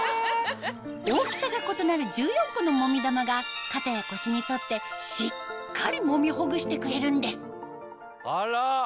大きさが異なる１４個のモミ玉が肩や腰に沿ってしっかりもみほぐしてくれるんですあら！